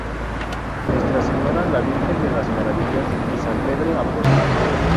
Nuestra Señora la Virgen de las Maravillas y San Pedro Apóstol.